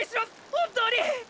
本当に！！